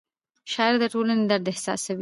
شاعر د ټولنې درد احساسوي.